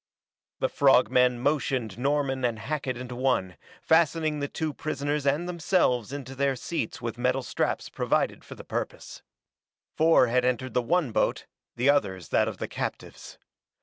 The frog men motioned Norman and Hackett into one, fastening the two prisoners and themselves into their seats with metal straps provided for the purpose. Four had entered the one boat, the others that of the captives.